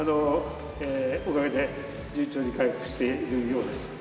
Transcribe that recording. おかげで順調に回復しているようです。